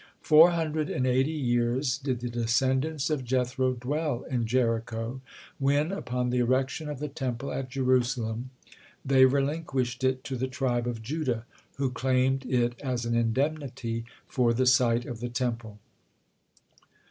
Four hundred and eighty years did the descendants of Jethro dwell in Jericho, when, upon the erection of the Temple at Jerusalem, they relinquished it to the tribe of Judah, who claimed it as an indemnity for the site of the Temple.